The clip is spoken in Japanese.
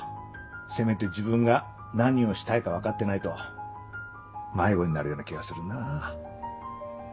せめて自分が何をしたいか分かってないと迷子になるような気がするな。